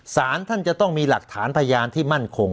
สารท่านจะต้องมีหลักฐานพยานที่มั่นคง